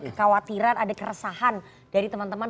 kekhawatiran ada keresahan dari teman teman